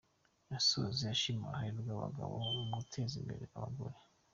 Yasoje ashima uruhare rw’abagabo mu guteza imbere abagore.